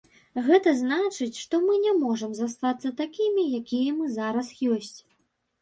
Гэта значыць, што мы не можам застацца такімі, якія мы зараз ёсць.